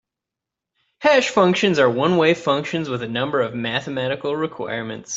Hash functions are one-way functions with a number of mathematical requirements.